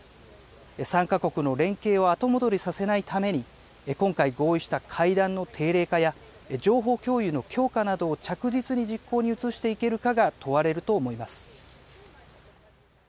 ３か国の連携を後戻りさせないために、今回、合意した会談の定例化や、情報共有の強化などを着実に実行に移していけるかが問われると思います。